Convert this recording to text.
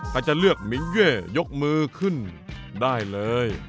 ใครจะเลือกมิ้งเย้นี่ยกมื้อขึ้นได้เลย